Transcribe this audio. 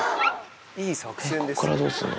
いい作戦ですね。